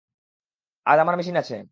আজ আমার মেশিন আছে।